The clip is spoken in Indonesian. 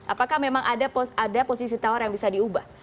apakah memang ada posisi tawar yang bisa diubah